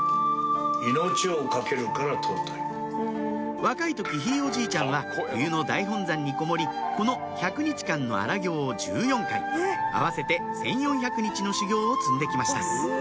若い時ひいおじいちゃんは冬の大本山にこもりこの１００日間の荒行を１４回合わせて１４００日の修行を積んで来ました